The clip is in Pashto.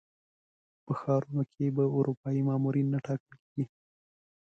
په ښارونو کې به اروپایي مامورین نه ټاکل کېږي.